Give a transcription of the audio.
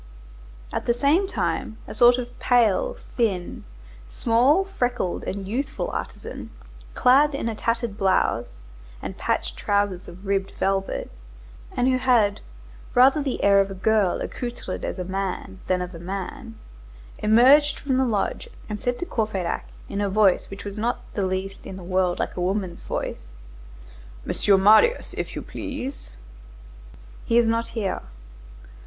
At the same time, a sort of pale, thin, small, freckled, and youthful artisan, clad in a tattered blouse and patched trousers of ribbed velvet, and who had rather the air of a girl accoutred as a man than of a man, emerged from the lodge and said to Courfeyrac in a voice which was not the least in the world like a woman's voice:— "Monsieur Marius, if you please." "He is not here."